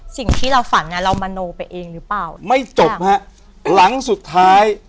สิ่งที่เราฝันอ่ะเรามโนไปเองหรือเปล่าไม่จบฮะหลังสุดท้าย